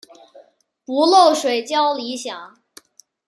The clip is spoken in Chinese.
不漏水较理想。